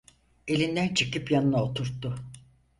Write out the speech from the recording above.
Elinden çekip yanına oturttu...